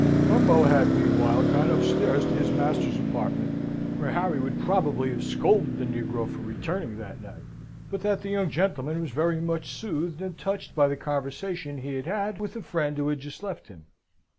Gumbo had, meanwhile, gone upstairs to his master's apartment, where Harry would probably have scolded the negro for returning that night, but that the young gentleman was very much soothed and touched by the conversation he had had with the friend who had just left him.